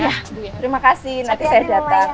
terima kasih nanti saya datang